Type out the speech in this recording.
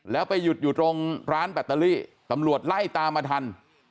แล้วไปหยุดอยู่ตรงร้านแบตเตอรี่ตำรวจไล่ตามมาทัน